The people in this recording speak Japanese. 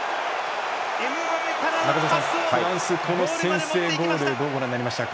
中澤さん、フランスこの先制ゴールどうご覧になりましたか。